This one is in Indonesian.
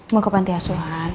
mau ke panti asuhan